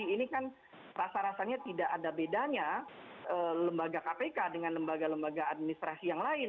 ini kan rasa rasanya tidak ada bedanya lembaga kpk dengan lembaga lembaga administrasi yang lain